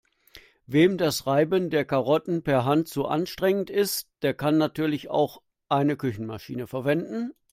Wem das Reiben der Karotten per Hand zu anstrengend ist, der kann natürlich auch eine Küchenmaschine verwenden.